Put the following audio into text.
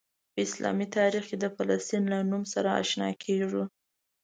په اسلامي تاریخ کې د فلسطین له نوم سره آشنا کیږو.